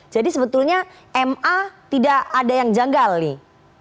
jadi sebetulnya ma tidak ada yang janggal nih